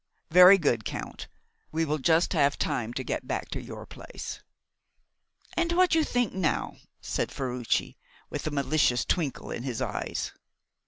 "Very good, Count, we will just have time to get back to your place." "And what you think now?" said Ferruci, with a malicious twinkle in his eyes.